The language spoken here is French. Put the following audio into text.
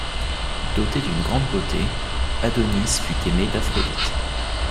Doté d'une grande beauté, Adonis fut aimé d'Aphrodite.